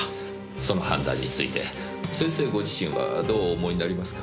その判断について先生ご自身はどうお思いになりますか？